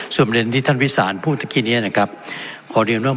ส่วนประเด็นที่ท่านวิสานพูดเมื่อกี้เนี่ยนะครับ